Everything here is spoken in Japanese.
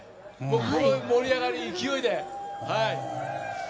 この盛り上がり、勢いで。